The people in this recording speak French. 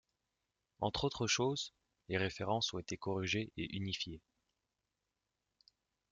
Entre autres choses, les références ont été corrigées et unifiées.